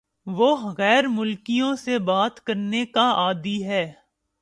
وہ غیر ملکیوں سے بات کرنے کا عادی ہے